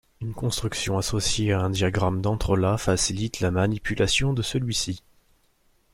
Une construction associée à un diagramme d'entrelacs facilite la manipulation de celui-ci.